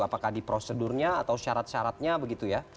apakah di prosedurnya atau syarat syaratnya begitu ya